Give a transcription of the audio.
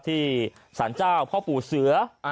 ที่สารเจ้าพ่อปู่เสือ